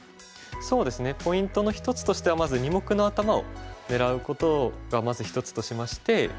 そうですねポイントの一つとしてはまず二目の頭を狙うことがまず一つとしまして。